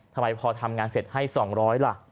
ทำไมพอทำงานเศรษฐ์ให้๒๐๐บาทละ